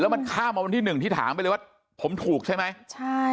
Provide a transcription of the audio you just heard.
แล้วมันค่าเบอร์มันที่หนึ่งที่ถามไปเลยว่าผมถูกใช่ไหมใช่